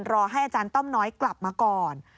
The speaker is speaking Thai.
รอให้อาจารย์ต้อมน้อยกลับมาก่อน